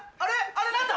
あれ何だ？